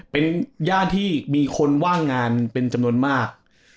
เป็นย่านที่มีคนว่างงานเป็นจำนวนมาก